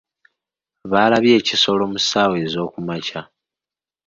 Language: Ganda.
Baalabye ekisolo mu ssaawa z'okumakya.